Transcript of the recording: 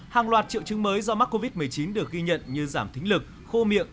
hàng loạt triệu chứng mới do mắc covid một mươi chín được ghi nhận như giảm thính lực khô miệng